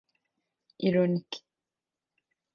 İronik…